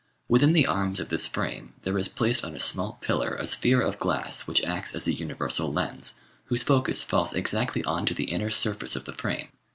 Within the arms of this frame there is placed on a small pillar a sphere of glass which acts as a universal lens, whose focus falls exactly on to the inner surface of the frame.